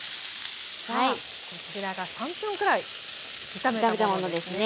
さあこちらが３分くらい炒めたものですね。